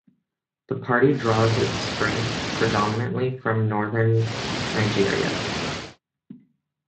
The party draws its strength predominantly from Northern Nigeria.